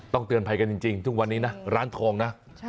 ต้องเตือนภายกันจริงถึงวันนี้นะร้านทองนะ